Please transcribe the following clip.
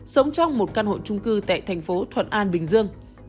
sống trong một căn hộ trung cư tại tp thuận an bình dương